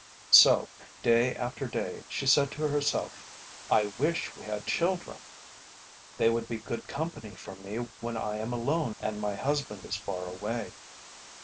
So day after day she said to herself, "I wish we had children. They would be good company for me when I am alone and my husband is far away."